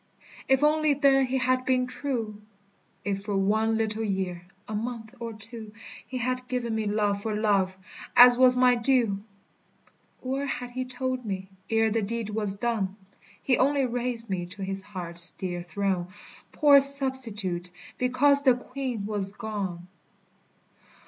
if only then he had been true! If for one little year, a month or two, He had given me love for love, as was my due! Or had he told me, ere the deed was done, He only raised me to his heart's dear throne Poor substitute because the queen was gone!